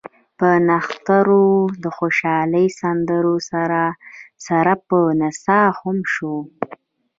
چې نښترونو د خوشالۍ سندرو سره سره پۀ نڅا هم شو ـ